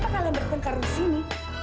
kenapa kamu berpengkaru di sini